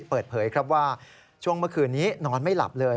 เปิดเผยครับว่าช่วงเมื่อคืนนี้นอนไม่หลับเลย